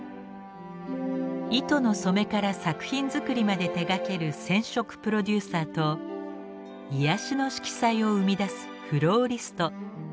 糸の染めから作品作りまで手がける染織プロデューサーと癒やしの色彩を生み出すフローリスト。